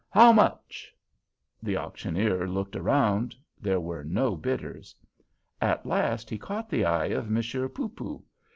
How much?" The auctioneer looked around; there were no bidders. At last he caught the eye of Monsieur Poopoo.